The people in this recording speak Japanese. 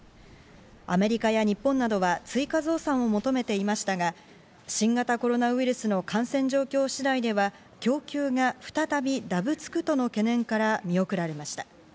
アメリカや日本などは追加増産を求めていましたが、新型コロナウイルスの感染状況次第では供給が再びだぶつくとの懸念から見送られました。